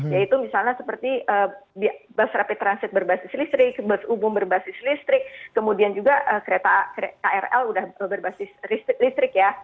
yaitu misalnya seperti bus rapid transit berbasis listrik bus umum berbasis listrik kemudian juga kereta krl sudah berbasis listrik ya